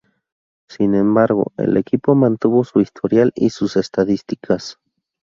Sin embargo, el equipo mantuvo su historial y sus estadísticas.